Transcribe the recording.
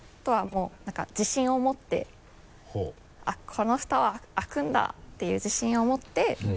「このフタは開くんだ！」っていう自信を持って。